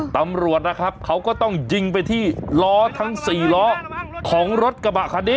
ตำรวจนะครับเขาก็ต้องยิงไปที่ล้อทั้ง๔ล้อของรถกระบะคันนี้